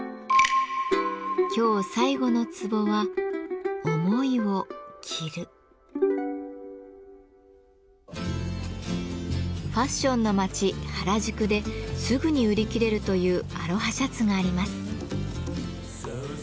今日最後の壺はファッションの街・原宿ですぐに売り切れるというアロハシャツがあります。